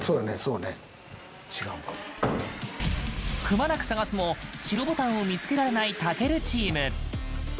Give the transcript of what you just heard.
くまなく探すも、白ボタンを見つけられない健チーム。